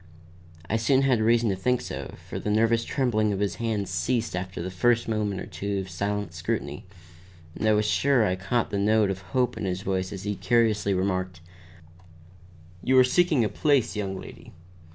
I soon had reason to think so, for the nervous trembling of his hands ceased after the first moment or two of silent scrutiny, and I was sure I caught the note of hope in his voice as he courteously remarked: "You are seeking a place, young lady.